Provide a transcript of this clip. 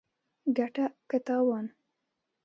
ګټه که تاوان